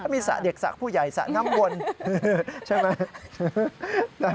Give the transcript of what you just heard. มีสระเด็กสระผู้ใหญ่สระน้ำวนใช่ไหม